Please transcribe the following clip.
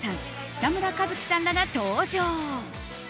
北村一輝さんらが登場。